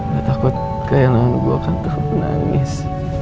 gak takut kayak laluan gue akan turun nangis